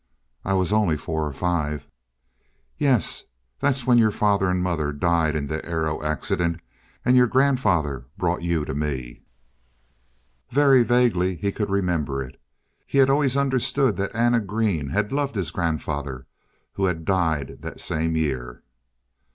"I was only four or five." "Yes. That was when your father and mother died in the aero accident and your grandfather brought you to me." Very vaguely he could remember it. He had always understood that Anna Green had loved his grandfather, who had died that same year.